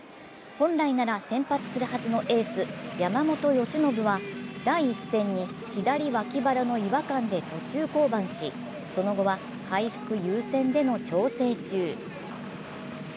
本来なら先発するはずのエース・山本由伸は、第１戦に左脇腹の違和感で途中降板し、その後は回復優先での調整中。